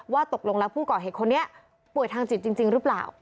ตกลงแล้วผู้ก่อเหตุคนนี้ป่วยทางจิตจริงหรือเปล่า